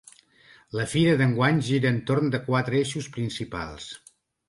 La fira d’enguany gira entorn de quatre eixos principals.